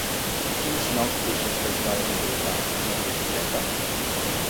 Quins nous projectes va desenvolupar Maria Josepa?